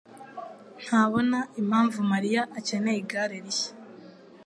ntabona impamvu Mariya akeneye igare rishya.